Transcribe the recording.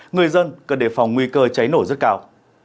người dân cần đề phòng nguy cơ cháy nổ rất cao